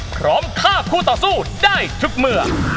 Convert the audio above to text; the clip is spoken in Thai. พร้อมฆ่าคู่ต่อสู้ได้ทุกเมื่อ